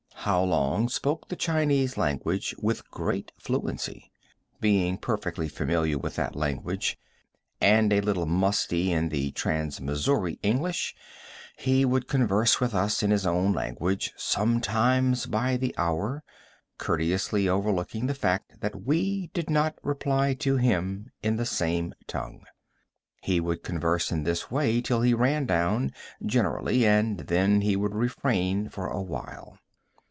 How Long spoke the Chinese language with great fluency. Being perfectly familiar with that language, and a little musty in the trans Missouri English, he would converse with us in his own language, sometimes by the hour, courteously overlooking the fact that we did not reply to him in the same tongue. He would converse in this way till he ran down, generally, and then he would refrain for a while.